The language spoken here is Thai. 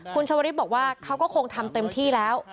คุณชวริสบอกว่าเขาก็คงทำเต็มที่แล้ว